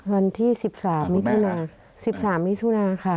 วันที่๑๓มิถุนาค่ะ